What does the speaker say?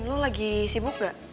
lo lagi sibuk gak